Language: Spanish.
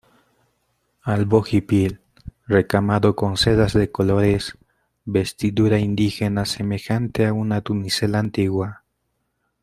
albo hipil recamado con sedas de colores, vestidura indígena semejante a una tunicela antigua